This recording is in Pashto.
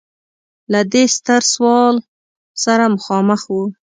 له دې ستر سوال سره مخامخ و.